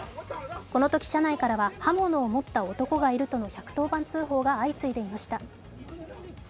このとき車内に刃物を持った男がいるとの１１０番通報が相次いでいました。